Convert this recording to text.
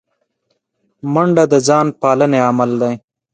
منډه د ځان پالنې عمل دی